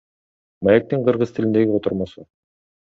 Маектин кыргыз тилиндеги котормосу.